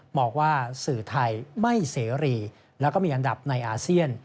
บอกว่าสื่อไทยไม่เสรีแล้วก็มีอันดับในอาเซียน